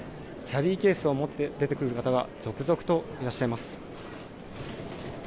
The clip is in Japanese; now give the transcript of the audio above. キャリーケースを持って出てくる方が続々といらっしゃいます。